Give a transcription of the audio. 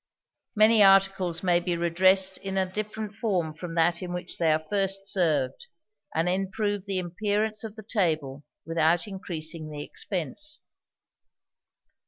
Many articles may be redressed in a different form from that in which they are first served, an improve the appearance of the table without increasing the expense.